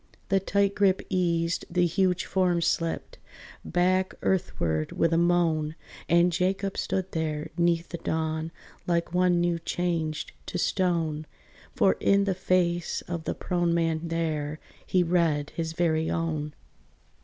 The tight grip eased, the huge form slipped Back earthward with a moan, And Jacob stood there 'neath the dawn, Like one new changed to stone; For in the face of the prone man there He read his very own.